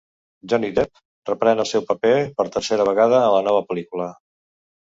Johnny Depp reprèn el seu paper per tercera vegada a la nova pel·lícula.